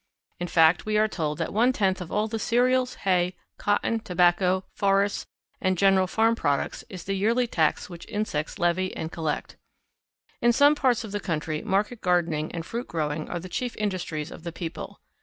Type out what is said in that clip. In fact, we are told that one tenth of all the cereals, hay, cotton, tobacco, forests, and general farm products is the yearly tax which insects levy and collect. In some parts of the country market gardening and fruit growing are the chief industries of the people.